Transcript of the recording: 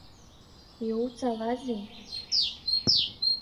Иуҵалазеи?